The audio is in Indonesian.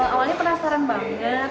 awalnya penasaran banget